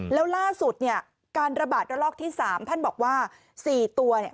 แล้วล่าสุดเนี่ยการระบาดระลอกที่๓ท่านบอกว่า๔ตัวเนี่ย